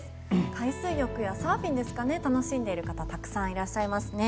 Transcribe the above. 海水浴やサーフィンを楽しんでいる方がたくさんいらっしゃいますね。